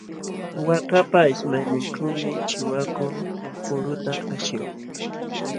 Waakapa ismayninćhuumi chiwaku kuluta ashin.